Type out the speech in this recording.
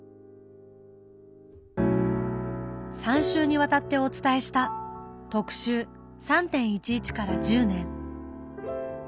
３週にわたってお伝えした特集「３．１１から１０年」。